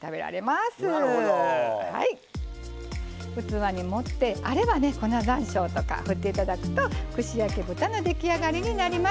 器に盛ってあればね粉ざんしょうとかふって頂くと串焼き豚の出来上がりになります。